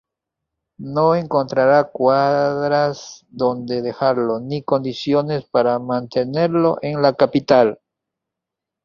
No encontrará cuadras donde dejarlo, ni condiciones para mantenerlo en la capital.